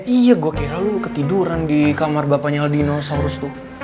iya gue kira lo ketiduran di kamar bapaknya al dinosaurus tuh